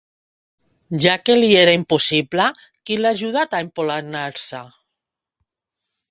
Ja que li era impossible, qui l'ha ajudat a empolainar-se?